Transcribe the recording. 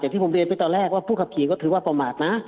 ที่ผมเรียนไปตอนแรกว่าผู้ขับขี่ก็ถือว่าประมาทนะ